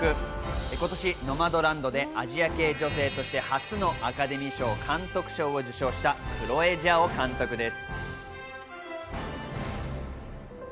今年『ノマドランド』でアジア系女性として初のアカデミー賞監督賞を受賞したクロエ・ジャオ監督です。